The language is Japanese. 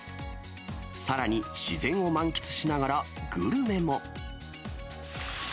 さらに自然を満喫しながら、グルメも。